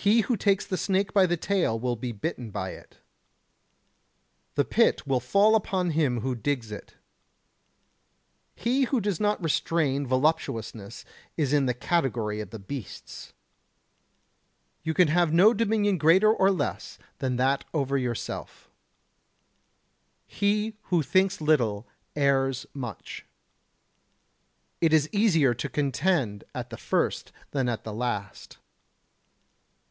He who takes the snake by the tail will be bitten by it. The pit will fall in upon him who digs it. He who does not restrain voluptuousness is in the category of the beasts. You can have no dominion greater or less than that over yourself. He who thinks little errs much. It is easier to contend at the first than at the last.